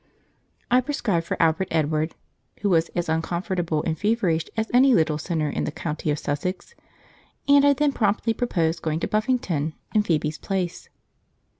I prescribed for Albert Edward, who was as uncomfortable and feverish as any little sinner in the county of Sussex, and I then promptly proposed going to Buffington in Phoebe's place.